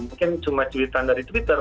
mungkin cuma cuitan dari twitter